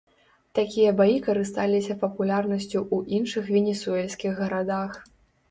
Такія баі карысталіся папулярнасцю ў іншых венесуэльскіх гарадах.